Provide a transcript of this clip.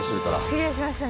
クリアしましたね。